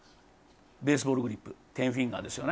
ベースボールグリップ、テンフィンガーですよね。